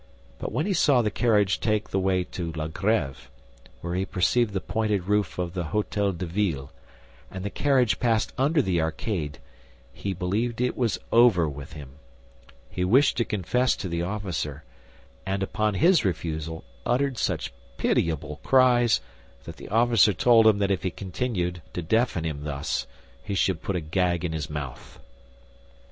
But when he saw the carriage take the way to La Grêve, when he perceived the pointed roof of the Hôtel de Ville, and the carriage passed under the arcade, he believed it was over with him. He wished to confess to the officer, and upon his refusal, uttered such pitiable cries that the officer told him that if he continued to deafen him thus, he should put a gag in his mouth.